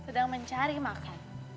sedang mencari makan